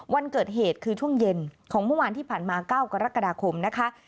วันเกิดเหตุคือช่วงเย็นของเมื่อวานที่ผ่านมา๙กรกฎาคมนะคะ